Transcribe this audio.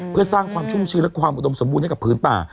เพื่อสร้างความชุ่มชื้นและความอุดมสมบูรณ์ให้กับพื้นป่า